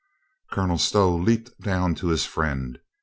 Colonel Stow leaped down to his friend.